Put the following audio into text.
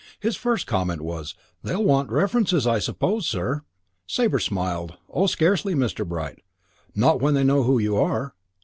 His first comment was, "They'll want references, I suppose, sir?" Sabre smiled. "Oh, scarcely, Mr. Bright. Not when they know who you are."